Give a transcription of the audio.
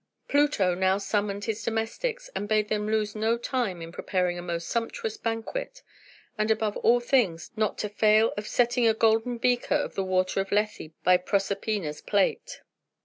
Pluto now summoned his domestics, and bade them lose no time in preparing a most sumptuous banquet, and above all things not to fail of setting a golden beaker of the water of Lethe by Proserpina's plate.